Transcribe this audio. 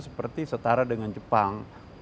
seperti setara dengan jepang